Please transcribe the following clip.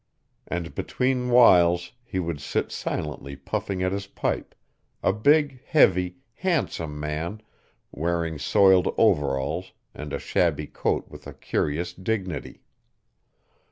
and between whiles he would sit silently puffing at his pipe, a big, heavy, handsome man, wearing soiled overalls and a shabby coat with a curious dignity.